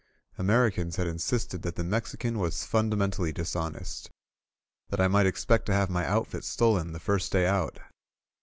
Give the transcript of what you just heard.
Americans had insisted that the Mexican was fundamentally dishonest — that I might expect to have my outfit stolen the first day out.